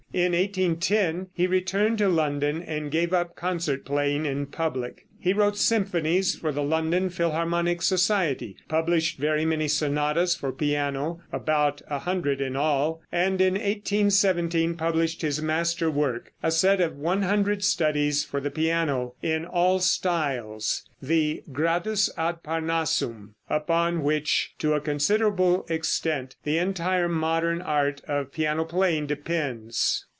In 1810 he returned to London and gave up concert playing in public. He wrote symphonies for the London Philharmonic Society, published very many sonatas for piano (about 100 in all), and in 1817 published his master work, a set of 100 studies for the piano, in all styles, the "Gradus ad Parnassum," upon which to a considerable extent the entire modern art of piano playing depends.